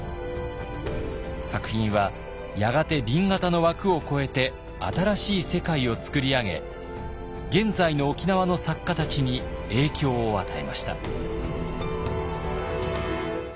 作品はやがて紅型の枠を超えて新しい世界を作り上げ現在の沖縄の作家たちに影響を与えました。